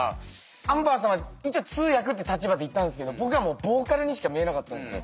アンバーさんは一応通訳って立場で行ったんですけど僕はもうボーカルにしか見えなかったんですよ。